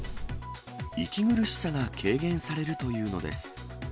息苦しさが軽減されるというのです。